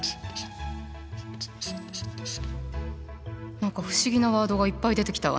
何か不思議なワードがいっぱい出てきたわね。